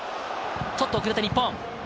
ちょっと遅れた日本。